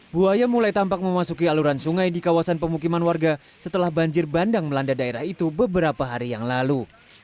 buaya mulai tampak memasuki aluran sungai di kawasan pemukiman warga setelah banjir bandang melanda daerah itu beberapa hari yang lalu